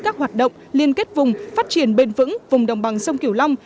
các hoạt động liên kết vùng phát triển bền vững vùng đồng bằng sông kiểu long